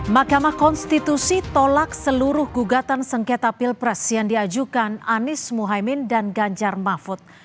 mahkamah konstitusi tolak seluruh gugatan sengketa pilpres yang diajukan anies muhaymin dan ganjar mahfud